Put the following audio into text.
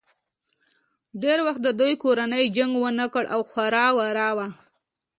ډېر وخت د دوي کورنۍ چنګ ونګ او خوره وره وه